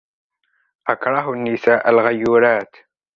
أكره النساء الغيورات.